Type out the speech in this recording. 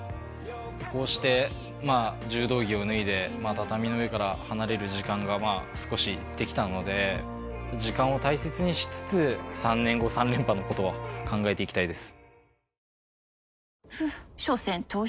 こうして柔道着を脱いで畳の上から離れる時間が少しできたので時間を大切にしつつ３年後３連覇のことは考えていきたいです